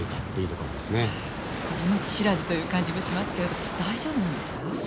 命知らずという感じもしますけれど大丈夫なんですか？